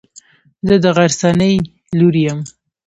زه د غرڅنۍ لور يم.